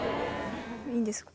いいんですか？